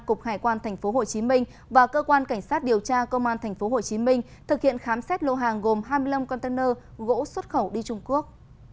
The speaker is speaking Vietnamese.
cục hải quan tp hcm và cơ quan cảnh sát điều tra công an tp hcm thực hiện khám xét lô hàng gồm hai mươi năm container gỗ xuất khẩu đi trung quốc